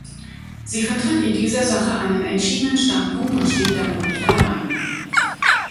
Sie vertritt in dieser Sache einen entschiedenen Standpunkt und steht damit nicht allein.